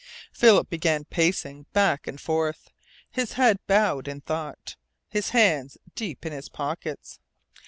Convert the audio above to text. Philip began pacing back and forth, his head bowed in thought, his hands deep in his pockets.